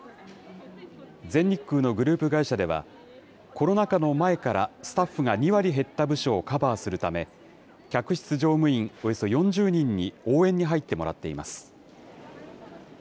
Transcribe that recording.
全日空のグループ会社では、コロナ禍の前からスタッフが２割減った部署をカバーするため、客室乗務員およそ４０人に応援に入ってもらっています。